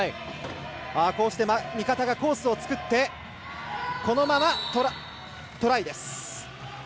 こうして味方がコースを作ってこのままトライです。